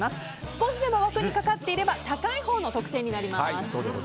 少しでも枠にかかっていれば高いほうの得点になります。